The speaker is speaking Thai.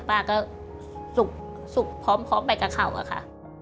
ป้าก็สุกพร้อมไปกับเขาอะค่ะ